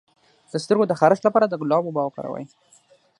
د سترګو د خارښ لپاره د ګلاب اوبه وکاروئ